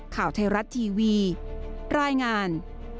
ข่าวไทยรัฐทีวีรายงาน